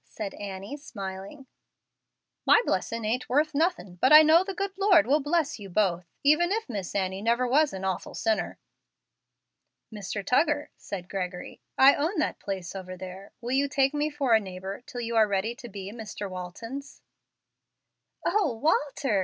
said Annie, smiling. "My blessin' ain't worth nothin'; but I know the good Lord will bless you both, even if Miss Annie never was an awful sinner." "Mr. Tuggar," said Gregory, "I own that place over there. Will you take me for a neighbor till you are ready to be Mr. Walton's?" "O, Walter!"